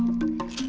namun terjadi dua hal